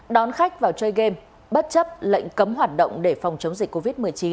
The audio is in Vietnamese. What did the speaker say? đón khách vào chơi game bất chấp lệnh cấm hoạt động để phòng chống dịch covid một mươi chín